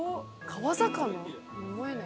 川魚とは思えない。